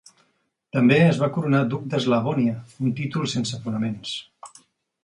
També es va coronar duc d'Eslavònia, un títol sense fonaments.